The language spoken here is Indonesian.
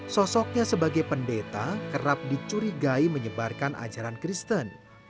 sosoknya sebagai pendeta kerap dicurigai menyebarkan ajaran kristen